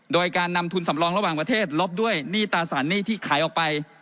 โดยการนำทุนสำรองระหว่างประเทศลบด้วยหนี้ตราสารหนี้ที่ขายออกไป